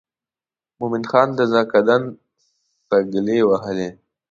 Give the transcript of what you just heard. مومن خان د زکندن سګلې وهي.